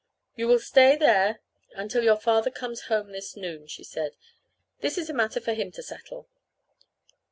"You will stay there until your father comes home this noon," she said. "This is a matter for him to settle."